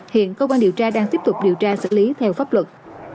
hiện cơ quan điều tra đang tiếp tục điều tra xử lý theo pháp luật